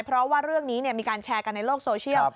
เพราะว่าเรื่องนี้มีการแชร์กันในโลกโซเชียล